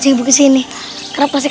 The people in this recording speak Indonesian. kenapa busur itu semakin gresik